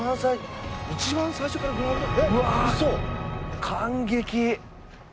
一番最初からグラウンド？